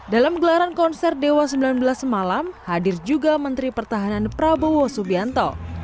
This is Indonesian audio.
dalam gelaran konser dewa sembilan belas semalam hadir juga menteri pertahanan prabowo subianto